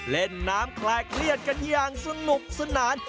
เล่นน้ำคลายเครียดกันอย่างสนุกสนาน